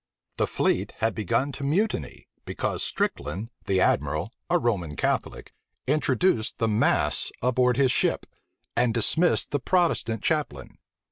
The fleet had begun to mutiny; because Stricland, the admiral, a Roman Catholic, introduced the mass aboard his ship, and dismissed the Protestant chaplain.